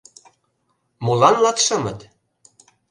— Молан латшымыт?